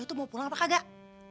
lo tuh mau pulang atau kagak